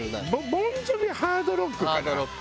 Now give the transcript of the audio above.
ボン・ジョヴィはハードロックかな。